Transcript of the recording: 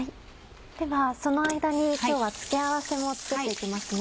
ではその間に今日は付け合わせも作って行きますね。